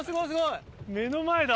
目の前だ。